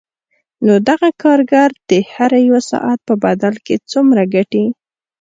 نو دغه کارګر د هر یوه ساعت په بدل کې څومره ګټي